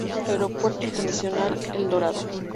Aeropuerto Internacional El Dorado.